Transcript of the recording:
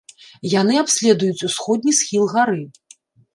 Яны абследуюць усходні схіл гары.